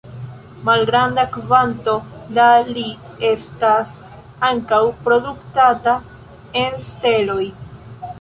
Malgranda kvanto da Li estas ankaŭ produktata en steloj.